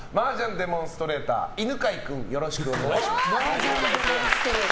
デモンストレーター犬飼君、よろしくお願いします。